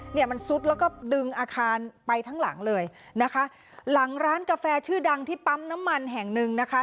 เนี่ยมันซุดแล้วก็ดึงอาคารไปทั้งหลังเลยนะคะหลังร้านกาแฟชื่อดังที่ปั๊มน้ำมันแห่งหนึ่งนะคะ